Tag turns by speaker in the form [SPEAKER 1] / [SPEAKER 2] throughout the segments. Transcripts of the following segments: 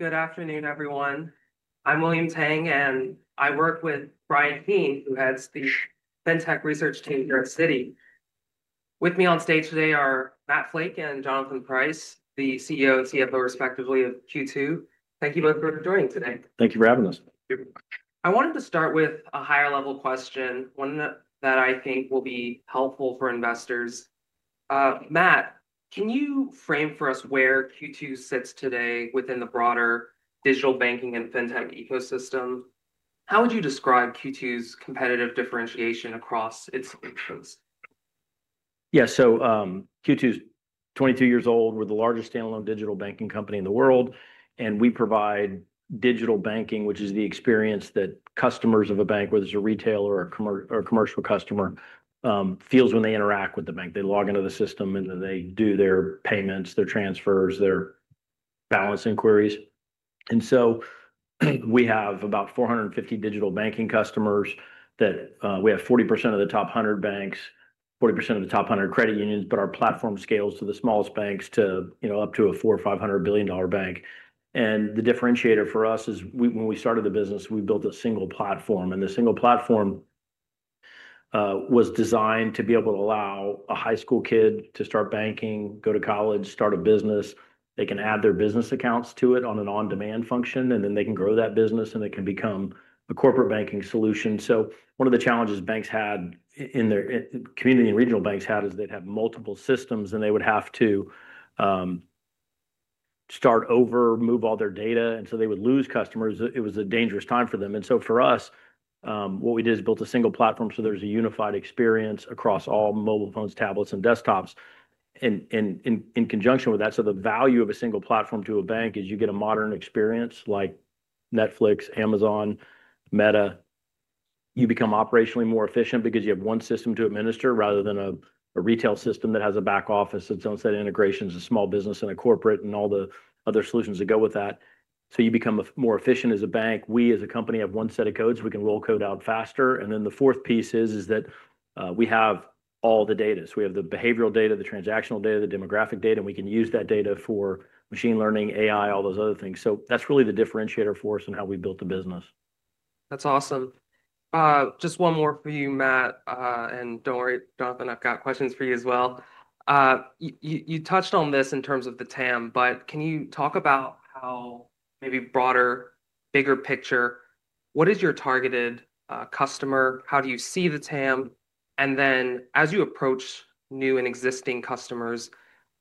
[SPEAKER 1] Good afternoon, everyone. I'm William Tang, and I work with Bryan Keane, who heads the FinTech research team here at Citi. With me on stage today are Matt Flake and Jonathan Price, the CEO and CFO, respectively, of Q2. Thank you both for joining today.
[SPEAKER 2] Thank you for having us.
[SPEAKER 1] I wanted to start with a higher-level question, one that I think will be helpful for investors. Matt, can you frame for us where Q2 sits today within the broader digital banking and FinTech ecosystem? How would you describe Q2's competitive differentiation across its solutions?
[SPEAKER 2] Yeah, so Q2 is 22 years old. We're the largest standalone digital banking company in the world, and we provide digital banking, which is the experience that customers of a bank, whether it's a retailer or a commercial customer, feels when they interact with the bank. They log into the system, and they do their payments, their transfers, their balance inquiries. We have about 450 digital banking customers. We have 40% of the top 100 banks, 40% of the top 100 credit unions, but our platform scales to the smallest banks, up to a $400 billion-$500 billion bank. The differentiator for us is, when we started the business, we built a single platform, and the single platform was designed to be able to allow a high school kid to start banking, go to college, start a business. They can add their business accounts to it on an on-demand function, and then they can grow that business, and it can become a corporate banking solution. One of the challenges banks had, community and regional banks had, is they'd have multiple systems, and they would have to start over, move all their data, and they would lose customers. It was a dangerous time for them. For us, what we did is built a single platform so there's a unified experience across all mobile phones, tablets, and desktops. In conjunction with that, the value of a single platform to a bank is you get a modern experience like Netflix, Amazon, Meta. You become operationally more efficient because you have one system to administer rather than a retail system that has a back office that is on-site integrations and small business and a corporate and all the other solutions that go with that. You become more efficient as a bank. We, as a company, have one set of codes. We can roll code out faster. The fourth piece is that we have all the data. We have the behavioral data, the transactional data, the demographic data, and we can use that data for machine learning, AI, all those other things. That is really the differentiator for us in how we built the business.
[SPEAKER 1] That's awesome. Just one more for you, Matt, and don't worry, Jonathan, I've got questions for you as well. You touched on this in terms of the TAM, but can you talk about how maybe broader, bigger picture? What is your targeted customer? How do you see the TAM? As you approach new and existing customers,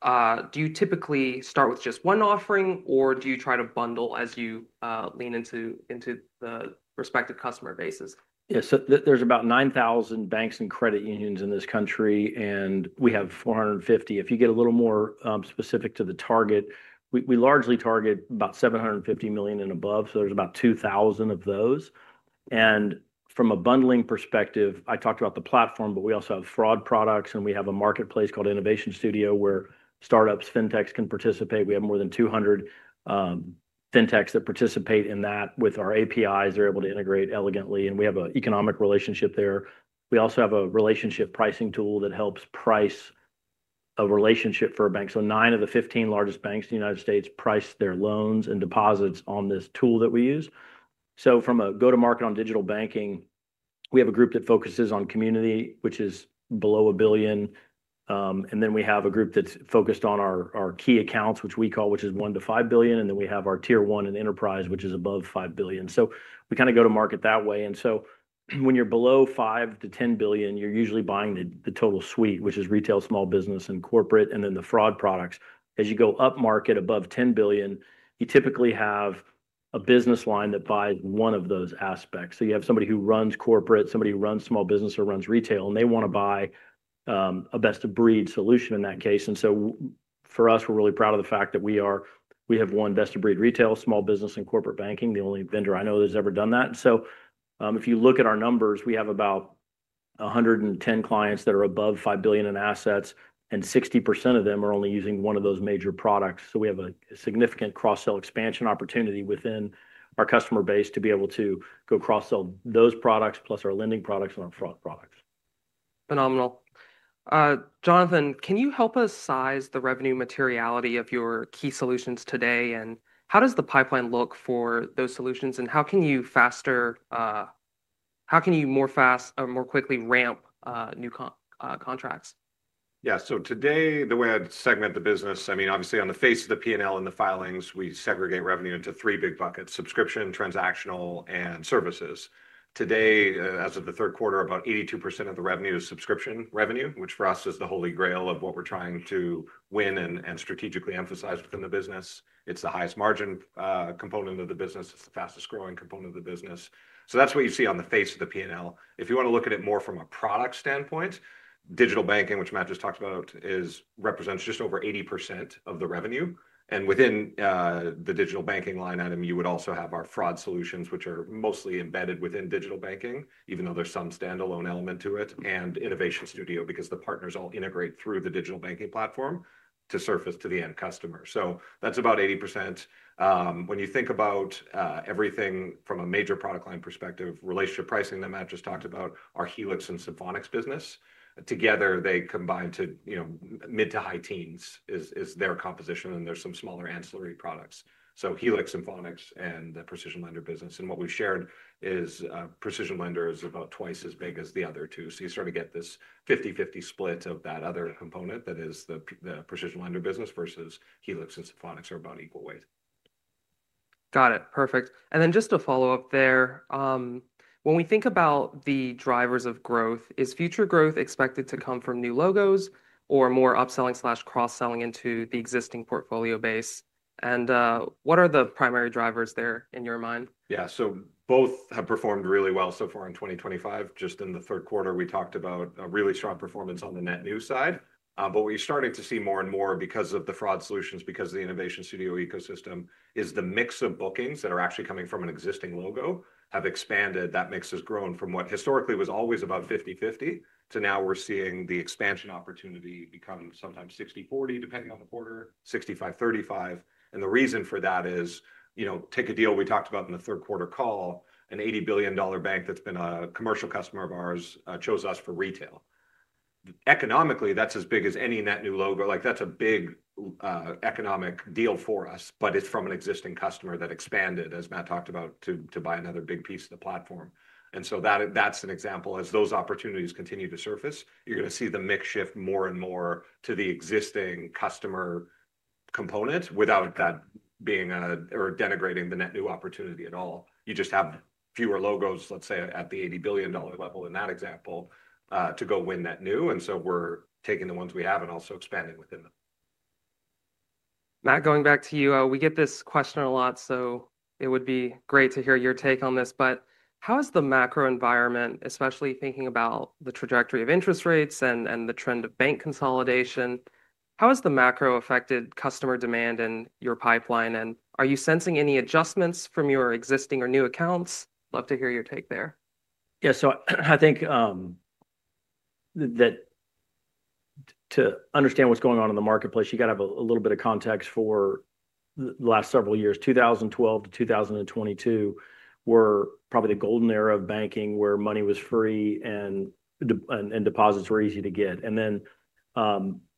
[SPEAKER 1] do you typically start with just one offering, or do you try to bundle as you lean into the respective customer bases?
[SPEAKER 2] Yeah, so there's about 9,000 banks and credit unions in this country, and we have 450. If you get a little more specific to the target, we largely target about $750 million and above, so there's about 2,000 of those. From a bundling perspective, I talked about the platform, but we also have fraud products, and we have a marketplace called Innovation Studio where startups, fintechs can participate. We have more than 200 fintechs that participate in that with our APIs. They're able to integrate elegantly, and we have an economic relationship there. We also have a relationship pricing tool that helps price a relationship for a bank. Nine of the 15 largest banks in the United States price their loans and deposits on this tool that we use. From a go-to-market on digital banking, we have a group that focuses on community, which is below $1 billion. We have a group that's focused on our key accounts, which we call, which is $1 billion-$5 billion. We have our tier one and enterprise, which is above $5 billion. We kind of go-to-market that way. When you're below $5 billion-$10 billion, you're usually buying the total suite, which is retail, small business, and corporate, and then the fraud products. As you go up market above $10 billion, you typically have a business line that buys one of those aspects. You have somebody who runs corporate, somebody who runs small business or runs retail, and they want to buy a best-of-breed solution in that case. For us, we're really proud of the fact that we have one best-of-breed retail, small business, and corporate banking, the only vendor I know that's ever done that. If you look at our numbers, we have about 110 clients that are above $5 billion in assets, and 60% of them are only using one of those major products. We have a significant cross-sell expansion opportunity within our customer base to be able to go cross-sell those products plus our lending products and our fraud products.
[SPEAKER 1] Phenomenal. Jonathan, can you help us size the revenue materiality of your key solutions today, and how does the pipeline look for those solutions, and how can you faster, how can you more fast or more quickly ramp new contracts?
[SPEAKER 3] Yeah, so today, the way I'd segment the business, I mean, obviously on the face of the P&L and the filings, we segregate revenue into three big buckets: subscription, transactional, and services. Today, as of the third quarter, about 82% of the revenue is subscription revenue, which for us is the holy grail of what we're trying to win and strategically emphasize within the business. It's the highest margin component of the business. It's the fastest growing component of the business. That's what you see on the face of the P&L. If you want to look at it more from a product standpoint, digital banking, which Matt just talked about, represents just over 80% of the revenue. Within the digital banking line item, you would also have our fraud solutions, which are mostly embedded within digital banking, even though there's some standalone element to it, and Innovation Studio because the partners all integrate through the digital banking platform to surface to the end customer. That's about 80%. When you think about everything from a major product line perspective, relationship pricing that Matt just talked about, our Helix and Symphonics business, together, they combine to mid to high teens is their composition, and there's some smaller ancillary products. Helix, Symphonics, and the Precision Lender business. What we've shared is Precision Lender is about twice as big as the other two. You sort of get this 50/50 split of that other component that is the Precision Lender business versus Helix and Symphonics are about equal weight.
[SPEAKER 1] Got it. Perfect. Just to follow up there, when we think about the drivers of growth, is future growth expected to come from new logos or more upselling/cross-selling into the existing portfolio base? What are the primary drivers there in your mind?
[SPEAKER 3] Yeah, so both have performed really well so far in 2025. Just in the third quarter, we talked about a really strong performance on the net new side. What you're starting to see more and more because of the fraud solutions, because of the Innovation Studio ecosystem, is the mix of bookings that are actually coming from an existing logo have expanded. That mix has grown from what historically was always about 50/50 to now we're seeing the expansion opportunity become sometimes 60/40, depending on the quarter, 65/35. The reason for that is, take a deal we talked about in the third quarter call, an $80 billion bank that's been a commercial customer of ours chose us for retail. Economically, that's as big as any net new logo. That's a big economic deal for us, but it's from an existing customer that expanded, as Matt talked about, to buy another big piece of the platform. That's an example. As those opportunities continue to surface, you're going to see the mix shift more and more to the existing customer component without that being or denigrating the net new opportunity at all. You just have fewer logos, let's say, at the $80 billion level in that example to go win net new. We're taking the ones we have and also expanding within them.
[SPEAKER 1] Matt, going back to you, we get this question a lot, so it would be great to hear your take on this. How has the macro environment, especially thinking about the trajectory of interest rates and the trend of bank consolidation, how has the macro affected customer demand in your pipeline, and are you sensing any adjustments from your existing or new accounts? Love to hear your take there.
[SPEAKER 2] Yeah, so I think that to understand what's going on in the marketplace, you got to have a little bit of context for the last several years. 2012 to 2022 were probably the golden era of banking where money was free and deposits were easy to get.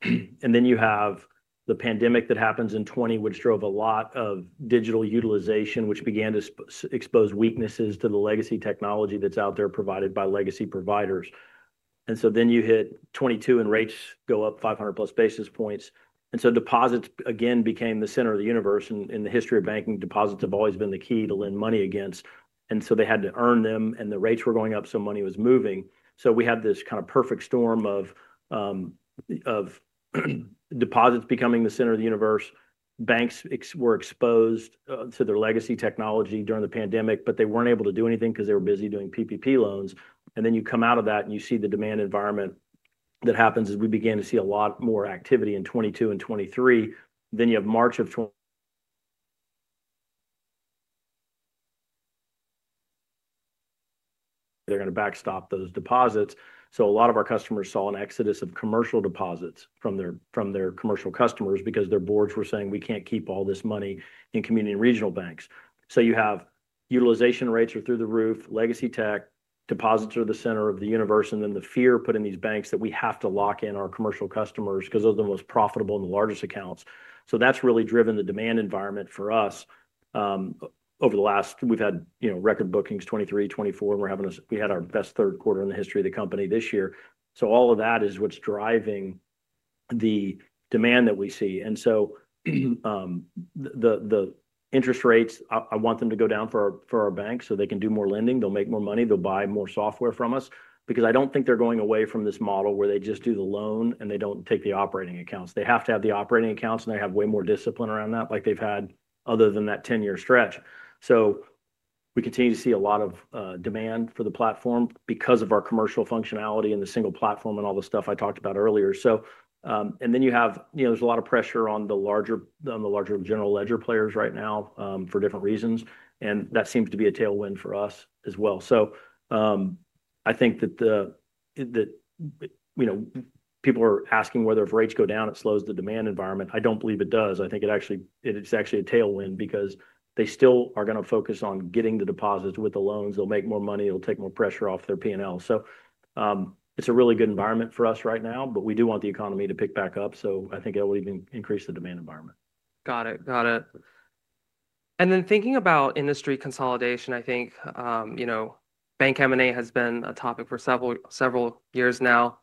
[SPEAKER 2] You have the pandemic that happens in 2020, which drove a lot of digital utilization, which began to expose weaknesses to the legacy technology that's out there provided by legacy providers. You hit 2022, and rates go up 500 plus basis points. Deposits, again, became the center of the universe. In the history of banking, deposits have always been the key to lend money against. They had to earn them, and the rates were going up, so money was moving. We had this kind of perfect storm of deposits becoming the center of the universe. Banks were exposed to their legacy technology during the pandemic, but they were not able to do anything because they were busy doing PPP loans. You come out of that, and you see the demand environment that happens as we begin to see a lot more activity in 2022 and 2023. You have March of 2023. They are going to backstop those deposits. A lot of our customers saw an exodus of commercial deposits from their commercial customers because their boards were saying, "We can't keep all this money in community and regional banks." You have utilization rates are through the roof, legacy tech, deposits are the center of the universe, and then the fear put in these banks that we have to lock in our commercial customers because those are the most profitable and the largest accounts. That's really driven the demand environment for us over the last we've had record bookings 2023, 2024, and we had our best third quarter in the history of the company this year. All of that is what's driving the demand that we see. The interest rates, I want them to go down for our banks so they can do more lending. They'll make more money. They'll buy more software from us because I don't think they're going away from this model where they just do the loan and they don't take the operating accounts. They have to have the operating accounts, and they have way more discipline around that like they've had other than that 10-year stretch. We continue to see a lot of demand for the platform because of our commercial functionality and the single platform and all the stuff I talked about earlier. There is a lot of pressure on the larger general ledger players right now for different reasons, and that seems to be a tailwind for us as well. I think that people are asking whether if rates go down, it slows the demand environment. I don't believe it does. I think it's actually a tailwind because they still are going to focus on getting the deposits with the loans. They'll make more money. It'll take more pressure off their P&L. It's a really good environment for us right now, but we do want the economy to pick back up. I think it will even increase the demand environment.
[SPEAKER 1] Got it. Got it. Thinking about industry consolidation, I think Bank M&A has been a topic for several years now.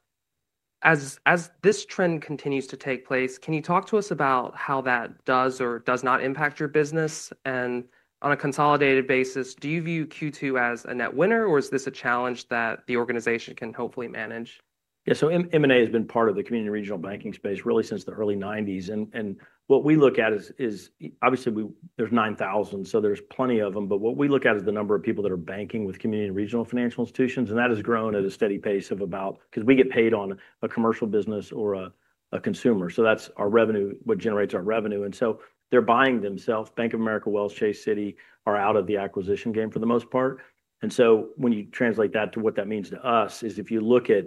[SPEAKER 1] As this trend continues to take place, can you talk to us about how that does or does not impact your business? On a consolidated basis, do you view Q2 as a net winner, or is this a challenge that the organization can hopefully manage?
[SPEAKER 2] Yeah, so M&A has been part of the community and regional banking space really since the early 1990s. What we look at is, obviously, there are 9,000, so there are plenty of them. What we look at is the number of people that are banking with community and regional financial institutions, and that has grown at a steady pace of about because we get paid on a commercial business or a consumer. That is our revenue, what generates our revenue. They are buying themselves. Bank of America, Wells, Chase, Citi are out of the acquisition game for the most part. When you translate that to what that means to us, if you look at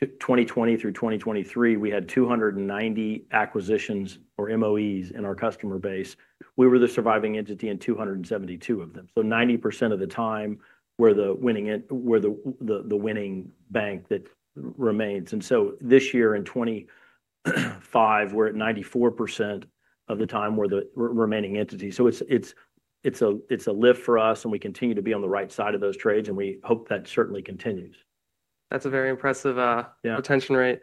[SPEAKER 2] 2020 through 2023, we had 290 acquisitions or MOEs in our customer base. We were the surviving entity in 272 of them. Ninety percent of the time, we're the winning bank that remains. This year in 2025, we're at 94% of the time we're the remaining entity. It's a lift for us, and we continue to be on the right side of those trades, and we hope that certainly continues.
[SPEAKER 1] That's a very impressive retention rate.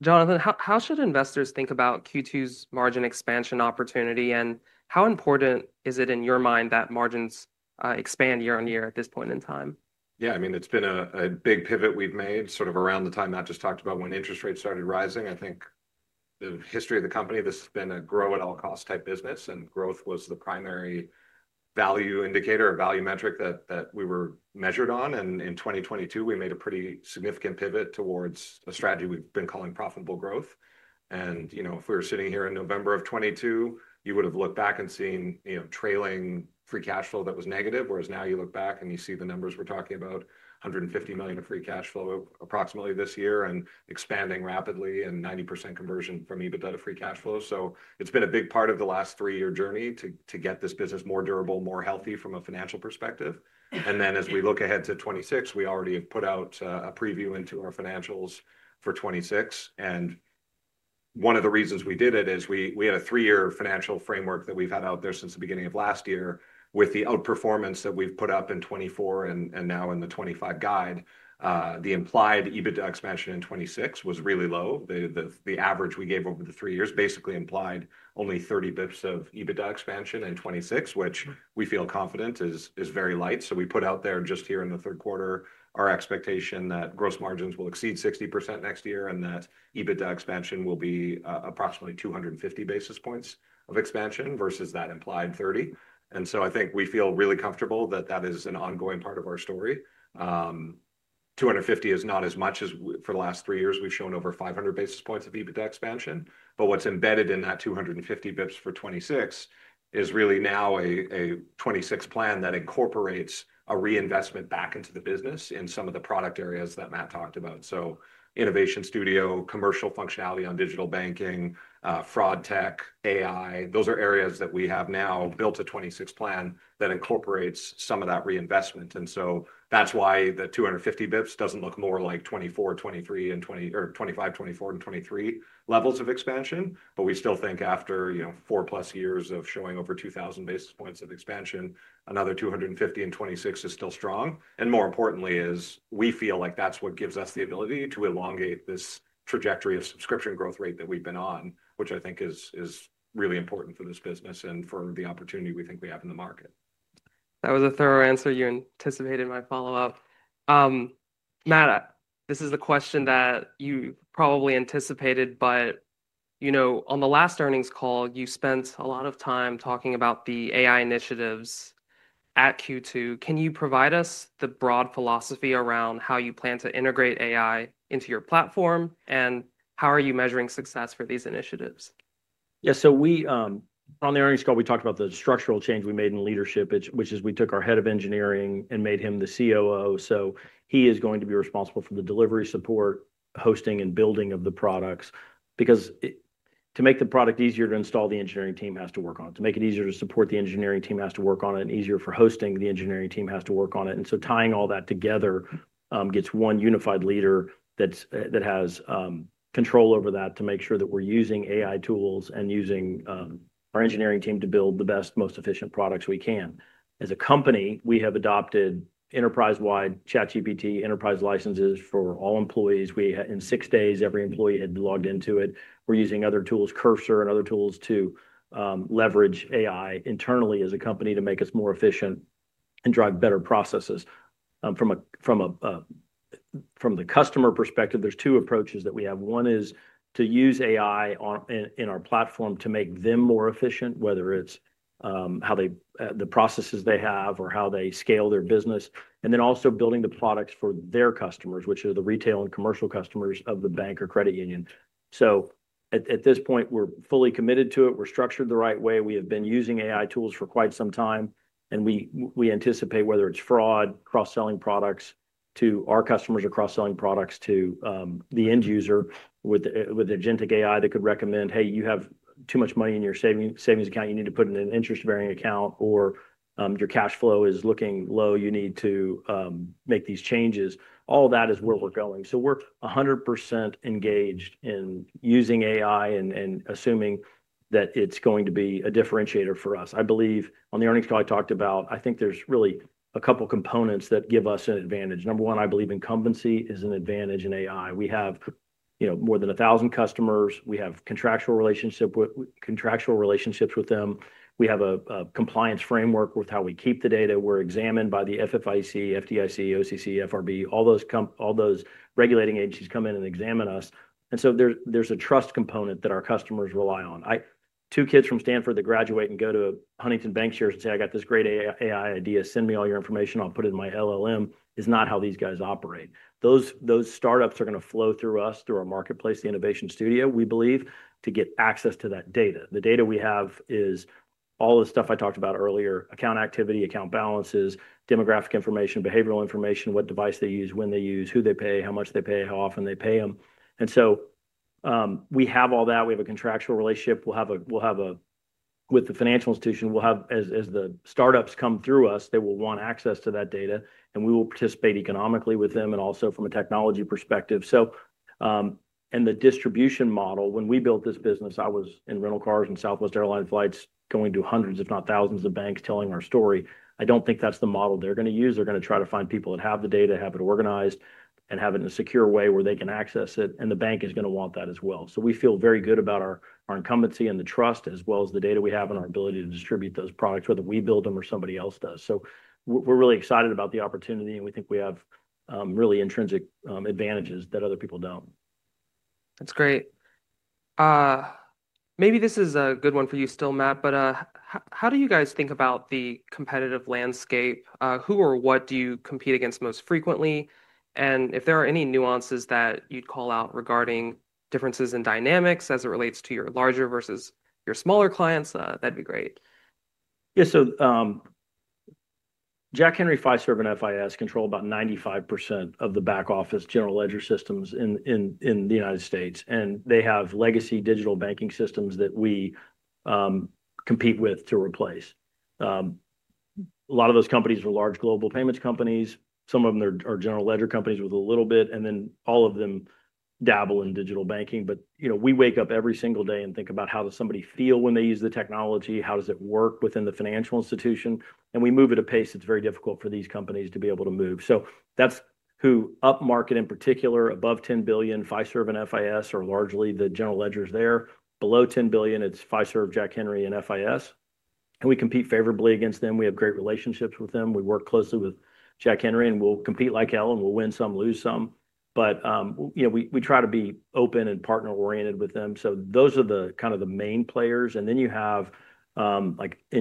[SPEAKER 1] Jonathan, how should investors think about Q2's margin expansion opportunity, and how important is it in your mind that margins expand year on year at this point in time?
[SPEAKER 3] Yeah, I mean, it's been a big pivot we've made sort of around the time Matt just talked about when interest rates started rising. I think the history of the company, this has been a grow at all costs type business, and growth was the primary value indicator or value metric that we were measured on. In 2022, we made a pretty significant pivot towards a strategy we've been calling profitable growth. If we were sitting here in November of 2022, you would have looked back and seen trailing free cash flow that was negative. Whereas now you look back and you see the numbers we're talking about, $150 million of free cash flow approximately this year and expanding rapidly and 90% conversion from EBITDA to free cash flow. It's been a big part of the last three-year journey to get this business more durable, more healthy from a financial perspective. As we look ahead to 2026, we already have put out a preview into our financials for 2026. One of the reasons we did it is we had a three-year financial framework that we've had out there since the beginning of last year with the outperformance that we've put up in 2024 and now in the 2025 guide. The implied EBITDA expansion in 2026 was really low. The average we gave over the three years basically implied only 30 basis points of EBITDA expansion in 2026, which we feel confident is very light. We put out there just here in the third quarter our expectation that gross margins will exceed 60% next year and that EBITDA expansion will be approximately 250 basis points of expansion versus that implied 30. I think we feel really comfortable that that is an ongoing part of our story. 250 is not as much as for the last three years we've shown over 500 basis points of EBITDA expansion. What's embedded in that 250 basis points for 2026 is really now a 2026 plan that incorporates a reinvestment back into the business in some of the product areas that Matt talked about. Innovation Studio, commercial functionality on digital banking, fraud tech, AI, those are areas that we have now built a 2026 plan that incorporates some of that reinvestment. That's why the 250 basis points does not look more like 2024, 2023, or 2025, 2024, and 2023 levels of expansion. We still think after four plus years of showing over 2,000 basis points of expansion, another 250 in 2026 is still strong. More importantly, we feel like that is what gives us the ability to elongate this trajectory of subscription growth rate that we have been on, which I think is really important for this business and for the opportunity we think we have in the market.
[SPEAKER 1] That was a thorough answer. You anticipated my follow-up. Matt, this is a question that you probably anticipated, but on the last earnings call, you spent a lot of time talking about the AI initiatives at Q2. Can you provide us the broad philosophy around how you plan to integrate AI into your platform, and how are you measuring success for these initiatives?
[SPEAKER 2] Yeah, so on the earnings call, we talked about the structural change we made in leadership, which is we took our head of engineering and made him the COO. He is going to be responsible for the delivery support, hosting, and building of the products because to make the product easier to install, the engineering team has to work on it. To make it easier to support, the engineering team has to work on it, and easier for hosting, the engineering team has to work on it. Tying all that together gets one unified leader that has control over that to make sure that we're using AI tools and using our engineering team to build the best, most efficient products we can. As a company, we have adopted enterprise-wide ChatGPT enterprise licenses for all employees. In six days, every employee had logged into it. We're using other tools, Cursor and other tools, to leverage AI internally as a company to make us more efficient and drive better processes. From the customer perspective, there's two approaches that we have. One is to use AI in our platform to make them more efficient, whether it's the processes they have or how they scale their business, and then also building the products for their customers, which are the retail and commercial customers of the bank or credit union. At this point, we're fully committed to it. We're structured the right way. We have been using AI tools for quite some time, and we anticipate whether it's fraud, cross-selling products to our customers, or cross-selling products to the end user with agentic AI that could recommend, "Hey, you have too much money in your savings account. You need to put it in an interest-bearing account," or, "Your cash flow is looking low. You need to make these changes." All of that is where we're going. We are 100% engaged in using AI and assuming that it's going to be a differentiator for us. I believe on the earnings call I talked about, I think there's really a couple of components that give us an advantage. Number one, I believe incumbency is an advantage in AI. We have more than 1,000 customers. We have contractual relationships with them. We have a compliance framework with how we keep the data. We are examined by the FDIC, OCC, FRB. All those regulating agencies come in and examine us. There is a trust component that our customers rely on. Two kids from Stanford that graduate and go to Huntington Bank shares and say, "I got this great AI idea. Send me all your information. I'll put it in my LLM," is not how these guys operate. Those startups are going to flow through us, through our marketplace, the Innovation Studio, we believe, to get access to that data. The data we have is all the stuff I talked about earlier, account activity, account balances, demographic information, behavioral information, what device they use, when they use, who they pay, how much they pay, how often they pay them. We have all that. We have a contractual relationship with the financial institution. As the startups come through us, they will want access to that data, and we will participate economically with them and also from a technology perspective. The distribution model, when we built this business, I was in rental cars and Southwest Airlines flights going to hundreds, if not thousands, of banks telling our story. I don't think that's the model they're going to use. They're going to try to find people that have the data, have it organized, and have it in a secure way where they can access it. The bank is going to want that as well. We feel very good about our incumbency and the trust as well as the data we have and our ability to distribute those products, whether we build them or somebody else does. We're really excited about the opportunity, and we think we have really intrinsic advantages that other people don't.
[SPEAKER 1] That's great. Maybe this is a good one for you still, Matt, but how do you guys think about the competitive landscape? Who or what do you compete against most frequently? If there are any nuances that you'd call out regarding differences in dynamics as it relates to your larger versus your smaller clients, that'd be great.
[SPEAKER 2] Yeah, so Jack Henry, Fiserv, and FIS control about 95% of the back office general ledger systems in the United States. They have legacy digital banking systems that we compete with to replace. A lot of those companies are large global payments companies. Some of them are general ledger companies with a little bit, and then all of them dabble in digital banking. We wake up every single day and think about how does somebody feel when they use the technology? How does it work within the financial institution? We move at a pace that's very difficult for these companies to be able to move. That's who up market in particular, above $10 billion, Fiserv and FIS are largely the general ledgers there. Below $10 billion, it's Fiserv, Jack Henry, and FIS. We compete favorably against them. We have great relationships with them. We work closely with Jack Henry, and we'll compete like hell and we'll win some, lose some. We try to be open and partner-oriented with them. Those are kind of the main players. In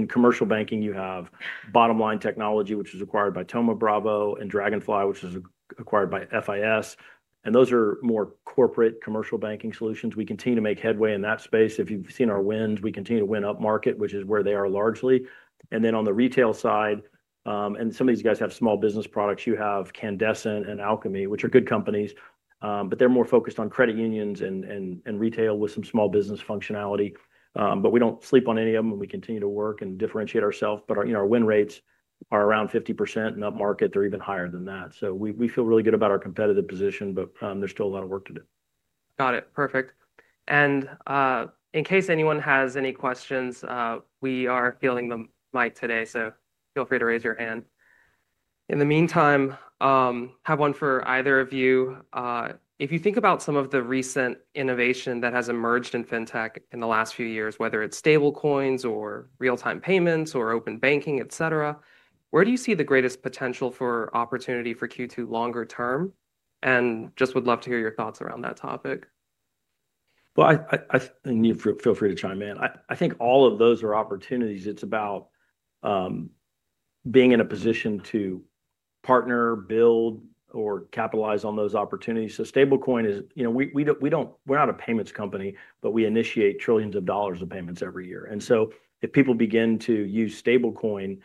[SPEAKER 2] commercial banking, you have Bottomline Technologies, which is acquired by Thoma Bravo, and Dragonfly, which is acquired by FIS. Those are more corporate commercial banking solutions. We continue to make headway in that space. If you've seen our wins, we continue to win up market, which is where they are largely. On the retail side, and some of these guys have small business products, you have Candescent and Alchemy, which are good companies, but they're more focused on credit unions and retail with some small business functionality. We don't sleep on any of them, and we continue to work and differentiate ourselves. Our win rates are around 50% and up market. They're even higher than that. We feel really good about our competitive position, but there's still a lot of work to do.
[SPEAKER 1] Got it. Perfect. In case anyone has any questions, we are fielding the mic today, so feel free to raise your hand. In the meantime, have one for either of you. If you think about some of the recent innovation that has emerged in fintech in the last few years, whether it's stablecoins or real-time payments or open banking, etc., where do you see the greatest potential for opportunity for Q2 longer term? Just would love to hear your thoughts around that topic.
[SPEAKER 2] You feel free to chime in. I think all of those are opportunities. It's about being in a position to partner, build, or capitalize on those opportunities. Stablecoin is, we're not a payments company, but we initiate trillions of dollars of payments every year. If people begin to use stablecoin,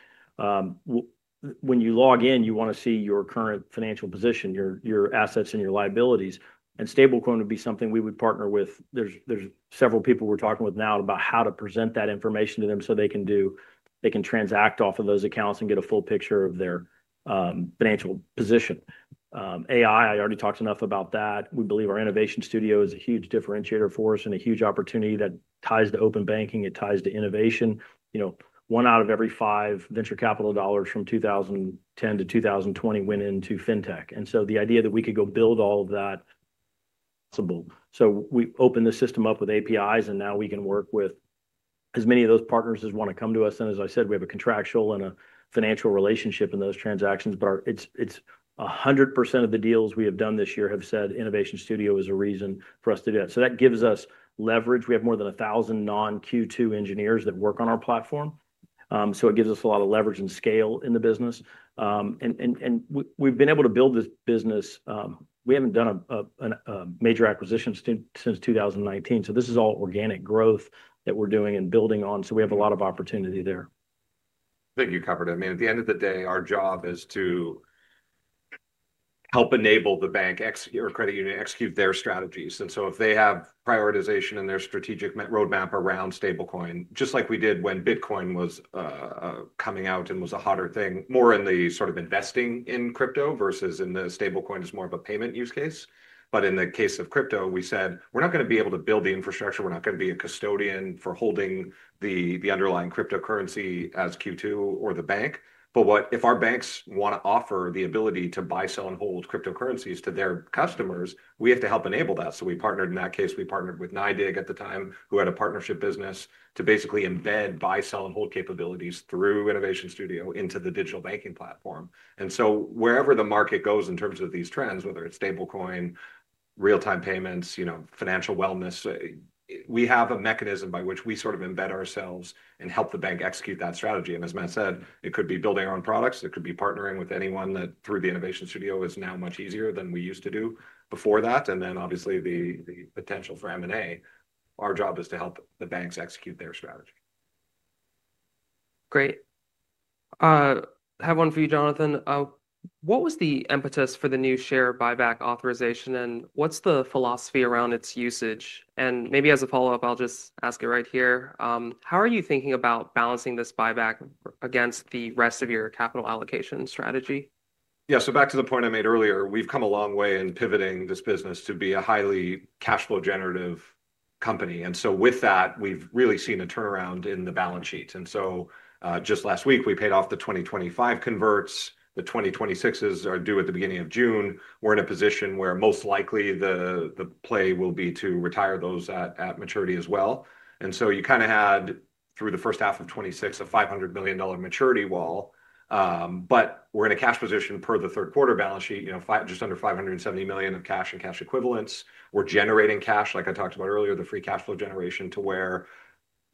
[SPEAKER 2] when you log in, you want to see your current financial position, your assets, and your liabilities. Stablecoin would be something we would partner with. There are several people we're talking with now about how to present that information to them so they can transact off of those accounts and get a full picture of their financial position. AI, I already talked enough about that. We believe our Innovation Studio is a huge differentiator for us and a huge opportunity that ties to open banking. It ties to innovation. One out of every five venture capital dollars from 2010 to 2020 went into fintech. The idea that we could go build all of that is possible. We opened the system up with APIs, and now we can work with as many of those partners as want to come to us. As I said, we have a contractual and a financial relationship in those transactions. 100% of the deals we have done this year have said Innovation Studio is a reason for us to do that. That gives us leverage. We have more than 1,000 non-Q2 engineers that work on our platform. It gives us a lot of leverage and scale in the business. We have been able to build this business. We have not done a major acquisition since 2019. This is all organic growth that we are doing and building on. We have a lot of opportunity there.
[SPEAKER 3] I think you covered it. I mean, at the end of the day, our job is to help enable the bank or credit union to execute their strategies. If they have prioritization in their strategic roadmap around stablecoin, just like we did when Bitcoin was coming out and was a hotter thing, more in the sort of investing in crypto versus in the stablecoin as more of a payment use case. In the case of crypto, we said, "We're not going to be able to build the infrastructure. We're not going to be a custodian for holding the underlying cryptocurrency as Q2 or the bank." If our banks want to offer the ability to buy, sell, and hold cryptocurrencies to their customers, we have to help enable that. We partnered in that case. We partnered with NYDIG at the time, who had a partnership business to basically embed buy, sell, and hold capabilities through Innovation Studio into the digital banking platform. Wherever the market goes in terms of these trends, whether it's stablecoin, real-time payments, financial wellness, we have a mechanism by which we sort of embed ourselves and help the bank execute that strategy. As Matt said, it could be building our own products. It could be partnering with anyone that through the Innovation Studio is now much easier than we used to do before that. Obviously the potential for M&A. Our job is to help the banks execute their strategy.
[SPEAKER 1] Great. I have one for you, Jonathan. What was the impetus for the new share buyback authorization, and what's the philosophy around its usage? Maybe as a follow-up, I'll just ask it right here. How are you thinking about balancing this buyback against the rest of your capital allocation strategy?
[SPEAKER 3] Yeah, so back to the point I made earlier, we've come a long way in pivoting this business to be a highly cash flow generative company. With that, we've really seen a turnaround in the balance sheets. Just last week, we paid off the 2025 converts. The 2026s are due at the beginning of June. We're in a position where most likely the play will be to retire those at maturity as well. You kind of had through the first half of 2026 a $500 million maturity wall. We're in a cash position per the third quarter balance sheet, just under $570 million of cash and cash equivalents. We're generating cash, like I talked about earlier, the free cash flow generation to where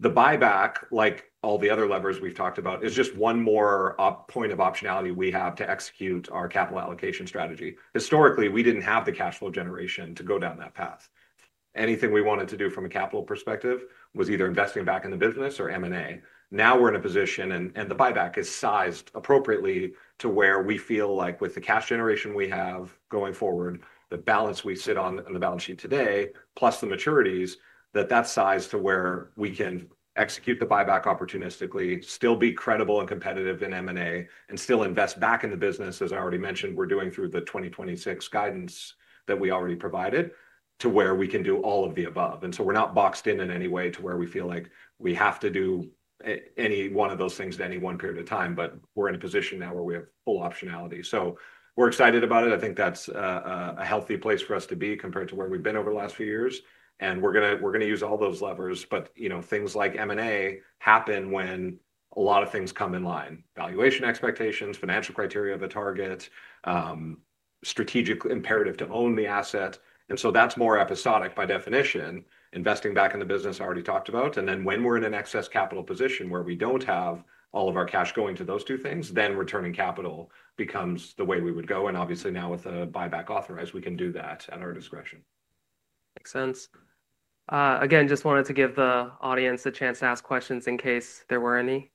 [SPEAKER 3] the buyback, like all the other levers we've talked about, is just one more point of optionality we have to execute our capital allocation strategy. Historically, we didn't have the cash flow generation to go down that path. Anything we wanted to do from a capital perspective was either investing back in the business or M&A. Now we're in a position, and the buyback is sized appropriately to where we feel like with the cash generation we have going forward, the balance we sit on the balance sheet today, plus the maturities, that that's sized to where we can execute the buyback opportunistically, still be credible and competitive in M&A, and still invest back in the business, as I already mentioned, we're doing through the 2026 guidance that we already provided, to where we can do all of the above. We are not boxed in in any way to where we feel like we have to do any one of those things at any one period of time, but we're in a position now where we have full optionality. We're excited about it. I think that's a healthy place for us to be compared to where we've been over the last few years. We are going to use all those levers. Things like M&A happen when a lot of things come in line. Valuation expectations, financial criteria of a target, strategic imperative to own the asset. That is more episodic by definition. Investing back in the business, I already talked about. When we are in an excess capital position where we do not have all of our cash going to those two things, returning capital becomes the way we would go. Obviously now with a buyback authorized, we can do that at our discretion.
[SPEAKER 1] Makes sense. Again, just wanted to give the audience a chance to ask questions in case there were any.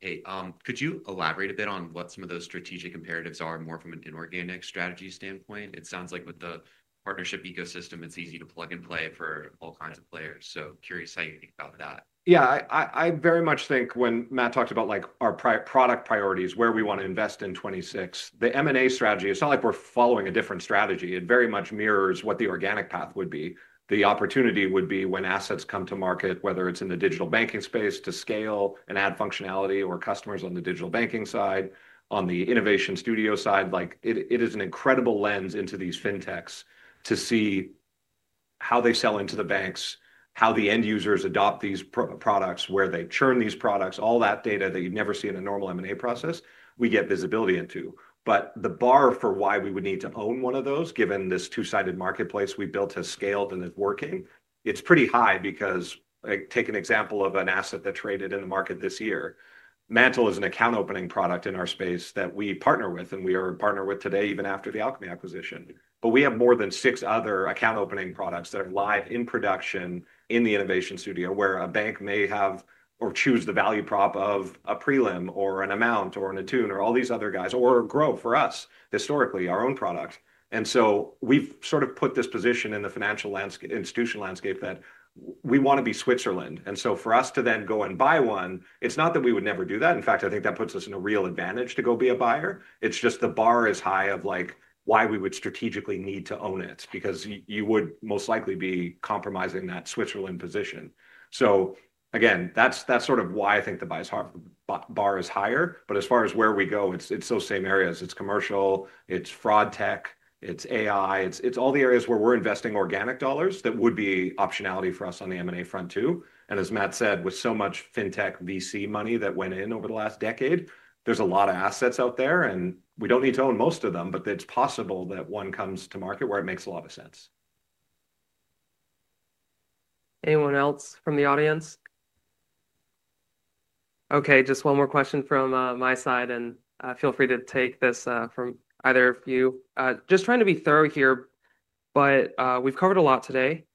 [SPEAKER 1] Hey, could you elaborate a bit on what some of those strategic imperatives are more from an inorganic strategy standpoint? It sounds like with the partnership ecosystem, it's easy to plug and play for all kinds of players. Curious how you think about that.
[SPEAKER 3] Yeah, I very much think when Matt talked about our product priorities, where we want to invest in '26, the M&A strategy, it's not like we're following a different strategy. It very much mirrors what the organic path would be. The opportunity would be when assets come to market, whether it's in the digital banking space to scale and add functionality or customers on the digital banking side, on the Innovation Studio side. It is an incredible lens into these fintechs to see how they sell into the banks, how the end users adopt these products, where they churn these products, all that data that you'd never see in a normal M&A process, we get visibility into. The bar for why we would need to own one of those, given this two-sided marketplace we built has scaled and is working, is pretty high because take an example of an asset that traded in the market this year. Mantle is an account opening product in our space that we partner with and we are a partner with today even after the Alchemy acquisition. We have more than six other account opening products that are live in production in the Innovation Studio where a bank may have or choose the value prop of a Prelim or an Amount or an Attune or all these other guys or Grow, for us historically our own product. We have sort of put this position in the financial institution landscape that we want to be Switzerland. For us to then go and buy one, it's not that we would never do that. In fact, I think that puts us in a real advantage to go be a buyer. It's just the bar is high of why we would strategically need to own it because you would most likely be compromising that Switzerland position. Again, that's sort of why I think the bar is higher. As far as where we go, it's those same areas. It's commercial, it's fraud tech, it's AI, it's all the areas where we're investing organic dollars that would be optionality for us on the M&A front too. As Matt said, with so much fintech VC money that went in over the last decade, there's a lot of assets out there, and we don't need to own most of them, but it's possible that one comes to market where it makes a lot of sense.
[SPEAKER 1] Anyone else from the audience? Okay, just one more question from my side, and feel free to take this from either of you. Just trying to be thorough here, but we've covered a lot today.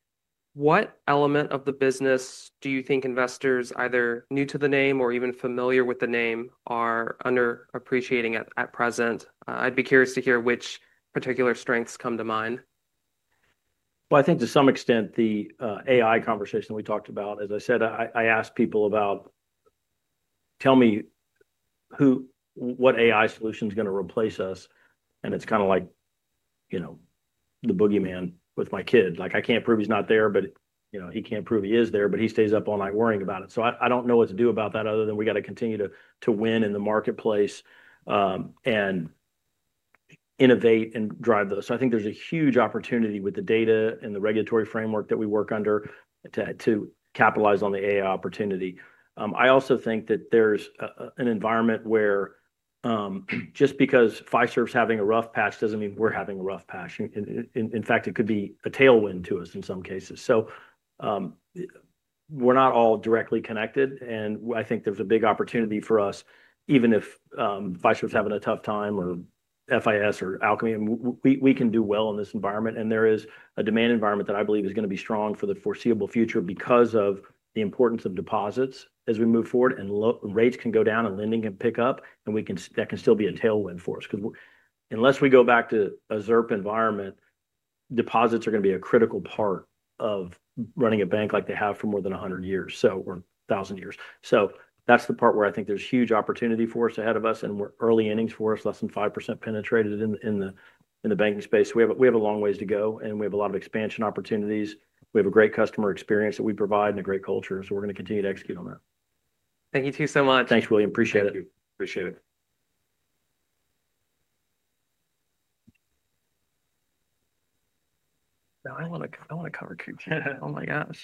[SPEAKER 1] What element of the business do you think investors either new to the name or even familiar with the name are underappreciating at present? I'd be curious to hear which particular strengths come to mind.
[SPEAKER 2] I think to some extent the AI conversation that we talked about, as I said, I asked people about, "Tell me what AI solution is going to replace us?" It is kind of like the boogeyman with my kid. I can't prove he's not there, but he can't prove he is there, but he stays up all night worrying about it. I don't know what to do about that other than we got to continue to win in the marketplace and innovate and drive those. I think there's a huge opportunity with the data and the regulatory framework that we work under to capitalize on the AI opportunity. I also think that there's an environment where just because Fiserv is having a rough patch doesn't mean we're having a rough patch. In fact, it could be a tailwind to us in some cases. We're not all directly connected, and I think there's a big opportunity for us, even if Fiserv is having a tough time or FIS or Alchemy, we can do well in this environment. There is a demand environment that I believe is going to be strong for the foreseeable future because of the importance of deposits as we move forward, and rates can go down and lending can pick up, and that can still be a tailwind for us. Because unless we go back to a ZIRP environment, deposits are going to be a critical part of running a bank like they have for more than 100 years or 1,000 years. That's the part where I think there's huge opportunity for us ahead of us, and we're early innings for us, less than 5% penetrated in the banking space. We have a long ways to go, and we have a lot of expansion opportunities. We have a great customer experience that we provide and a great culture. We are going to continue to execute on that.
[SPEAKER 1] Thank you two so much.
[SPEAKER 2] Thanks, William. Appreciate it.
[SPEAKER 3] Thank you. Appreciate it.
[SPEAKER 1] Now I want to cover Q2. Oh my gosh.